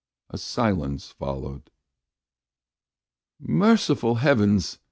A silence followed. "Merciful Heavens!"